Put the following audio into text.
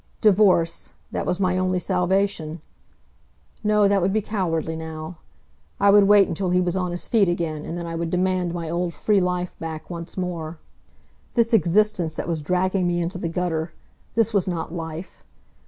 Divorce! That was my only salvation. No, that would be cowardly now. I would wait until he was on his feet again, and then I would demand my old free life back once more. This existence that was dragging me into the gutter this was not life!